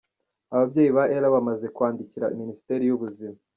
Ababyeyi ba Ella bamaze kwandikira Minisiteri y'Ubuzima.